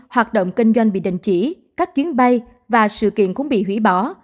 hoạt động kinh doanh bị đình chỉ các chuyến bay và sự kiện cũng bị hủy bỏ